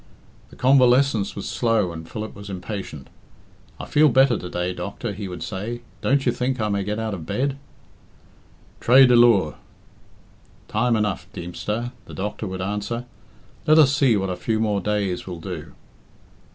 The convalescence was slow and Philip was impatient. "I feel better to day, doctor," he would say, "don't you think I may get out of bed?" "Traa dy liooar (time enough), Deemster," the doctor would answer. "Let us see what a few more days will do."